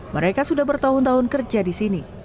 mereka sudah bertahun tahun kerja di sini